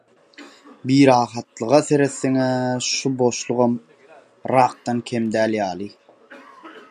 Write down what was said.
Birahatlyga seretseňä şu boşlugam rakdan kem däl ýaly.